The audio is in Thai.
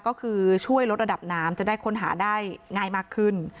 ก็คือช่วยลดระดับน้ำจะได้ค้นหาได้ง่ายมากขึ้น